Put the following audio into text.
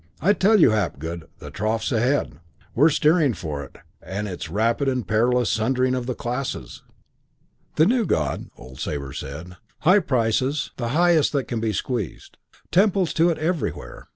I tell you, Hapgood, the trough's ahead; we're steering for it; and it's rapid and perilous sundering of the classes. "'The new God,' old Sabre said. 'High prices, high prices: the highest that can be squeezed. Temples to it everywhere.